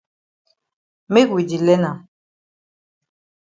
Make we di learn am.